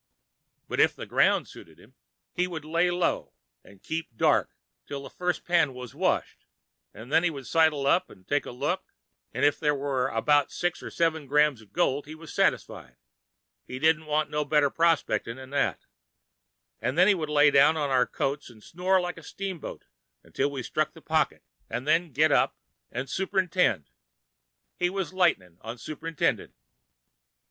But if the ground suited him, he would lay low 'n' keep dark till the first pan was washed, 'n' then he would sidle up 'n' take a look, an' if there was about six or seven grains of gold he was satisfied—he didn't want no better prospect 'n' that—'n' then he would lay down on our coats and snore like a steamboat till we'd struck the pocket, an' then get up 'n' superintend. He was nearly lightnin' on superintending.